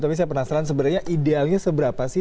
tapi saya penasaran sebenarnya idealnya seberapa sih